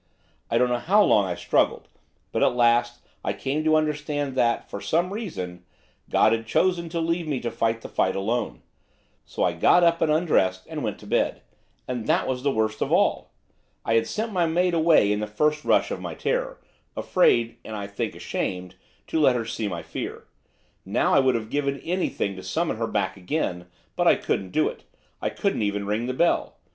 I don't know how long I struggled, but, at last, I came to understand that, for some cause, God had chosen to leave me to fight the fight alone. So I got up, and undressed, and went to bed, and that was the worst of all. I had sent my maid away in the first rush of my terror, afraid, and, I think, ashamed, to let her see my fear. Now I would have given anything to summon her back again, but I couldn't do it, I couldn't even ring the bell.